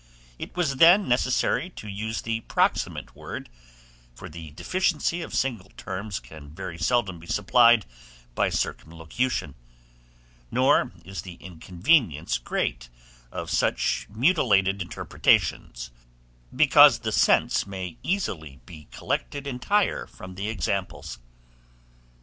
It was then necessary to use the proximate word, for the deficiency of single terms can very seldom be supplied by circumlocution; nor is the inconvenience great of such mutilated interpretations, because the sense may easily be collected entire from the examples.